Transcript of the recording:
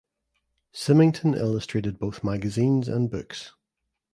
Symington illustrated both magazines and books.